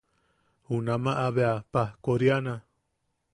Junamaʼa bea pajkoriana.